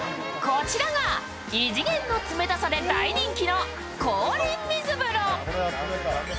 こちらが異次元の冷たさで大人気の氷水風呂。